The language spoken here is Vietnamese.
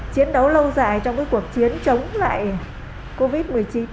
chiến đấu lâu dài trong cuộc chiến chống lại covid một mươi chín